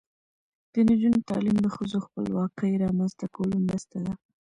د نجونو تعلیم د ښځو خپلواکۍ رامنځته کولو مرسته ده.